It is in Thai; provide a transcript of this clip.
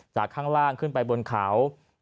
ข้างล่างขึ้นไปบนเขา